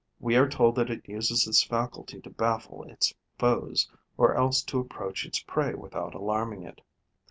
We are told that it uses this faculty to baffle its foes, or else to approach its prey without alarming it.